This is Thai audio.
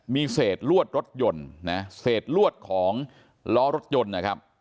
มีเศษลวดรถยนต์นะเศษลวดของล้อรถยนต์นะครับ